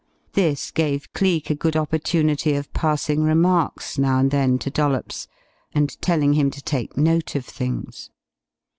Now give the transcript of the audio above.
This gave Cleek a good opportunity of passing remarks now and then to Dollops and telling him to take note of things.